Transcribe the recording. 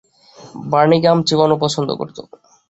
Bernie gum চিবানো পছন্দ করত।